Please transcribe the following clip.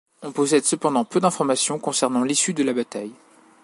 On possède cependant peu d'informations concernant l'issue de la bataille.